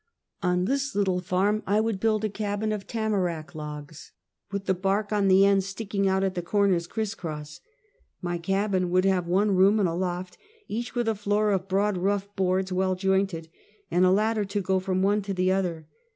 On this little farm I would build a cabin of tamarac logs, with the bark on and the ends sticking out at the corners criss cross. My cabin would have one room and a loft, each with a floor of broad rough boards well jointed, and a lad der to go from one to the other.